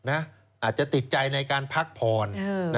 อาจจะติดใจในการพักผ่อน